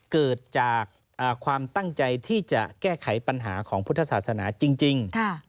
เกิดจากความตั้งใจที่จะแก้ไขปัญหาของพุทธศาสนาจริง